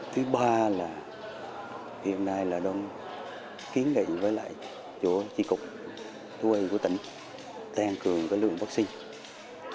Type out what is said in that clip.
thứ ba là hiện nay là đồng kiến nghị với lại chủ chí cục thú y của tỉnh tăng cường lượng vaccine